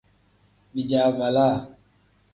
Bijaavalaa.